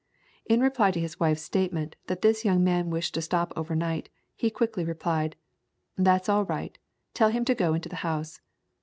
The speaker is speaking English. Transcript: In reply to his wife's statement, that this young man wished to stop over night, he quickly re plied, "That's all right; tell him to go into the house."